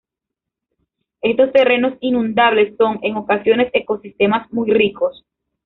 Estos terrenos inundables son, en ocasiones, ecosistemas muy ricos.